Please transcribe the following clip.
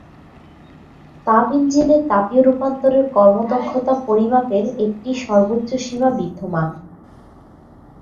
তাপ ইঞ্জিনে তাপীয় রূপান্তরের কর্মদক্ষতা পরিমাপের একটি সর্বোচ্চ সীমা বিদ্যমান।